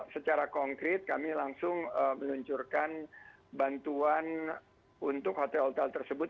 secara konkret kami langsung meluncurkan bantuan untuk hotel hotel tersebut